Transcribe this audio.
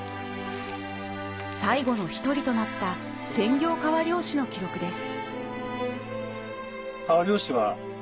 最後の１人となった専業川漁師の記録です